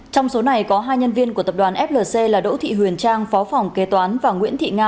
trong số này có hai nhân viên của tập đoàn flc là đỗ thị huyền trang phó phòng kế toán và nguyễn thị nga